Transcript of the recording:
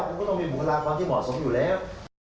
คุณก็ต้องมีบุคลักษณ์ตอนที่เหมาะสมอยู่แล้ว